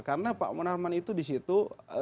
karena pak munarman itu di situ